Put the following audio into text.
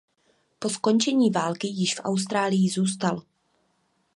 Po skončení války již v Austrálii zůstal.